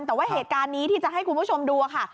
แต่ว่าเหตุการณ์นี้ที่จะให้คุณผู้ชมดูค่ะ